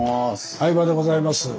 相場でございます。